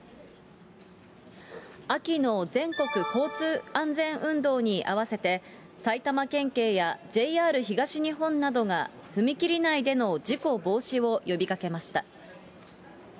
秋の全国交通安全運動に合わせて、埼玉県警やＪＲ東日本などが踏切内での事故防止を呼びかけました。